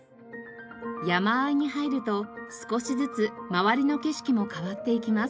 山あいに入ると少しずつ周りの景色も変わっていきます。